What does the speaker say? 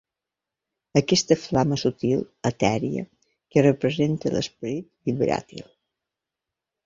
Aquella flama subtil, etèria, que representa l'esperit vibràtil.